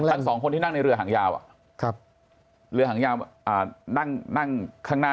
ทั้งสองคนที่นั่งในเรือหางยาวเรือหางยาวนั่งข้างหน้า